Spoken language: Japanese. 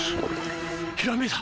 ひらめいた！